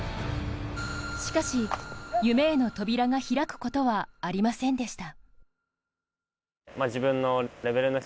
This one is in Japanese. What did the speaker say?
しかし、夢への扉が開くことはありませんでした。